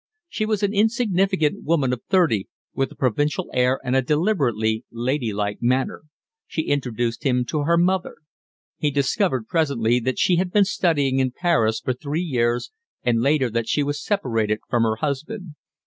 She was an insignificant woman of thirty, with a provincial air and a deliberately lady like manner; she introduced him to her mother. He discovered presently that she had been studying in Paris for three years and later that she was separated from her husband.